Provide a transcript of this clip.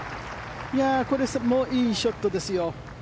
これいいショットですよ。